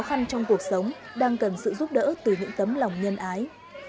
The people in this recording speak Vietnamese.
khó khăn trong cuộc sống đang cần sự giúp đỡ từ những tấm lòng nhân ái